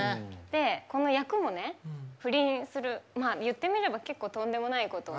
この役も不倫する言ってみれば、結構とんでもないことを。